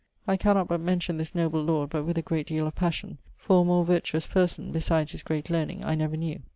I cannot but mention this noble lord but with a great deale of passion, for a more vertuous person (besides his great learning) I never knew.